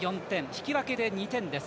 引き分けで２点です。